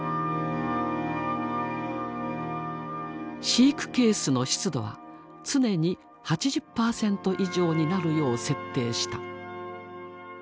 飼育ケースの湿度は常に８０％以上になるよう設定した。